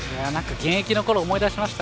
現役のころを思い出しました。